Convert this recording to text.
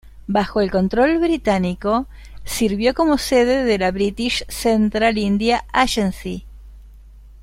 Bajo el control británico, sirvió como sede de la British Central India Agency.